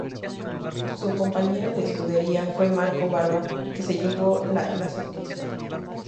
Su compañero de escudería fue Marco Barba que se llevó la clase principal.